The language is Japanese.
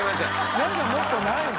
なんかもっとないの？